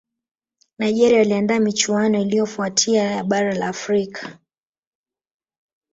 nigeria waliandaa michuano iliyofuatia ya bara la afrika